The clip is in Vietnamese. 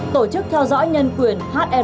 tổ chức theo dõi nhân quyền